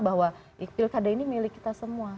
bahwa pilkada ini milik kita semua